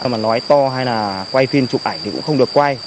mà nói to hay là quay phim chụp ảnh thì cũng không được quay